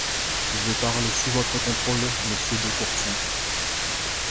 Je parle sous votre contrôle, monsieur de Courson.